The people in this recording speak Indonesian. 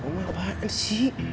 oma apaan sih